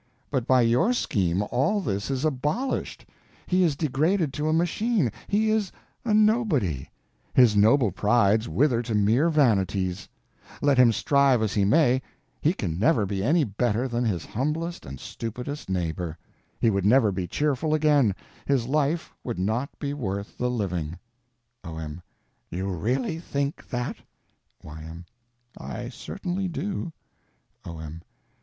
But by your scheme, all this is abolished; he is degraded to a machine, he is a nobody, his noble prides wither to mere vanities; let him strive as he may, he can never be any better than his humblest and stupidest neighbor; he would never be cheerful again, his life would not be worth the living. O.M. You really think that? Y.M. I certainly do. O.M.